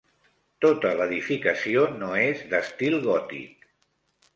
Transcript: Tota l'edificació no és d'estil gòtic.